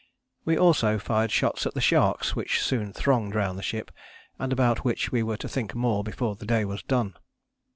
We also fired shots at the sharks which soon thronged round the ship, and about which we were to think more before the day was done.